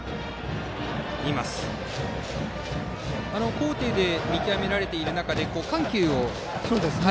高低で見極められている中では緩急を。